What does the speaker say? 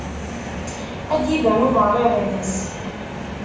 Ad d-iban uberriḍ-ines.